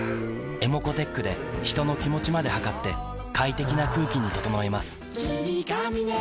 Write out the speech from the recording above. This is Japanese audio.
ｅｍｏｃｏーｔｅｃｈで人の気持ちまで測って快適な空気に整えます